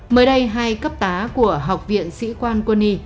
mới đây hai cấp tá của học viện sĩ quan quân y